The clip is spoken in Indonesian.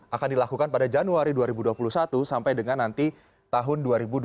akan dilakukan pada januari dua ribu dua puluh satu sampai dengan nanti tahun dua ribu dua puluh